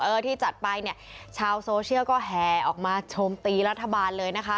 เออที่จัดไปชาวโซเชียลก็แห่ออกมาชมตีรัฐบาล